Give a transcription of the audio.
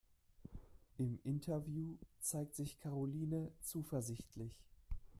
Im Interview zeigt sich Karoline zuversichtlich.